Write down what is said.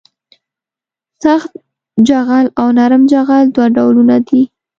سخت جغل او نرم جغل دوه ډولونه دي